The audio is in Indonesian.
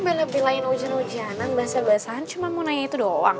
om beli beli lain ujian ujianan bahasa bahasan cuma mau nanya itu doang